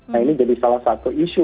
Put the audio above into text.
nah ini jadi salah satu isu